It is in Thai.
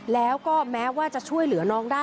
แล้วก็แม้ว่าจะช่วยเหลือน้องได้